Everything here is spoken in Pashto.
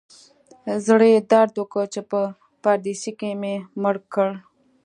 زړه یې درد وکړ چې په پردیسي کې مې مړ کړ.